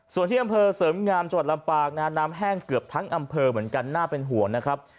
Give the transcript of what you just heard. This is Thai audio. ส่วนที่อำเภอเสริมงามจังหวัดลำปางนะฮะน้ำแห้งเกือบทั้งอำเภอเหมือนกันน่าเป็นห่วงนะครับ